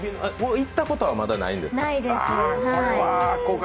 行ったことはまだないんですか？